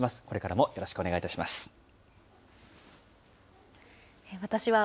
これからもよろしくお願いいたし